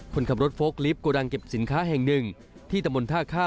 คนขับรถโฟล์ลิฟต์โกดังเก็บสินค้าแห่งหนึ่งที่ตะมนต์ท่าข้าว